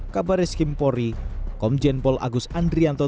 kabaris kimpori komjen pol agus andrianto